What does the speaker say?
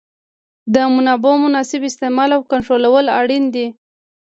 د منابعو مناسب استعمال او کنټرولول اړین دي.